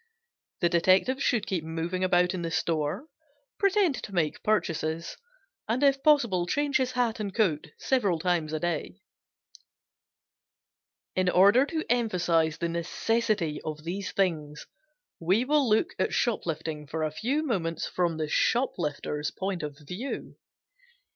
The detective should keep moving about in the store, pretend to make purchases, and if possible change his hat and coat several times a day. In order to emphasize the necessity of these things, we will look at shoplifting for a few moments from the shoplifter's point of view.